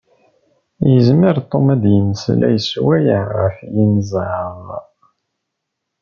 Yezmer Tom ad d-yemmeslay sswayeɛ ɣef yinzaḍ.